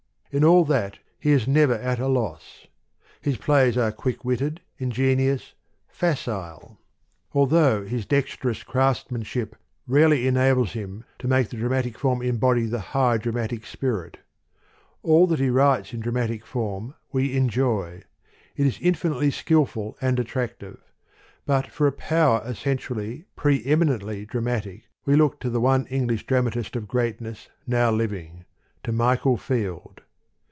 In all that, he is never at a loss : his plays are quick witted, ingenious, facile: although his dexterous craftsman ship rarely enables him to make the dra matic forrh embody the high dramatic spirit. All that he writes in dramatic form, we en joy; it is infinitely skilful and attractive: but for a power essentially, pre eminently, dramatic, we look to the one English dram atist of greatness, now living; to Michael Field.